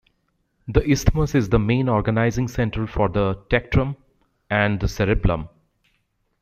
The isthmus is the main organizing center for the tectum and the cerebellum.